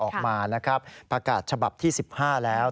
ออกมานะครับประกาศฉบับที่๑๕แล้ว